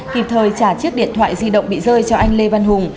kịp thời trả chiếc điện thoại di động bị rơi cho anh lê văn hùng